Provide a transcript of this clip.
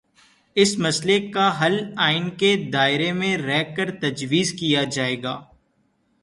اس مسئلے کا حل آئین کے دائرے میں رہ کرتجویز کیا جائے گا۔